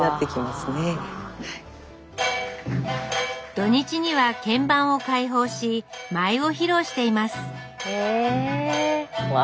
土日には見番を開放し舞を披露していますえうわ